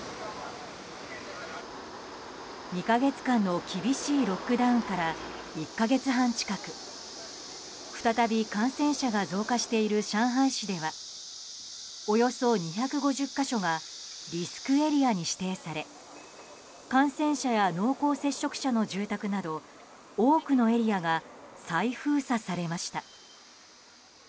２か月間の厳しいロックダウンから１か月半近く再び感染者が増加している上海市ではおよそ２５０か所がリスクエリアに指定され感染者や濃厚接触者の住宅など多くのエリアが再封鎖されました。